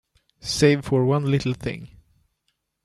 Save for one little thing.